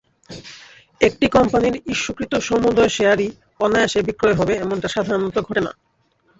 একটি কোম্পানির ইস্যুকৃত সমুদয় শেয়ারই অনায়াসে বিক্রয় হবে এমনটা সাধারণত ঘটে না।